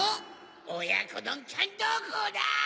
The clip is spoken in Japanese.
おやこどんちゃんどこだ？